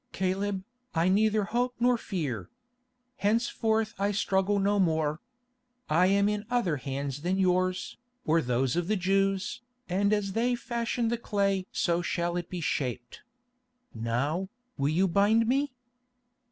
"Caleb, I neither hope nor fear. Henceforth I struggle no more. I am in other hands than yours, or those of the Jews, and as They fashion the clay so shall it be shaped. Now, will you bind me?"